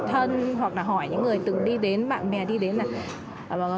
thân hoặc là hỏi những người từng đi đến bạn bè đi đến này